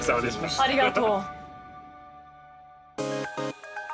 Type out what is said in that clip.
ありがとう。